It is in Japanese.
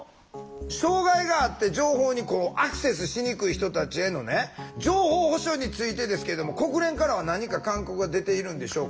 障害があって情報にアクセスしにくい人たちへのね情報保障についてですけども国連からは何か勧告が出ているんでしょうか？